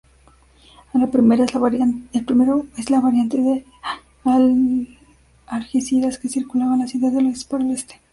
El primero es la variante de Algeciras, que circunvala la ciudad por el oeste.